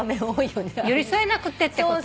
「寄り添えなくって」ってことね。